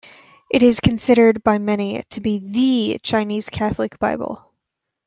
It is considered by many to be "the" Chinese Catholic Bible.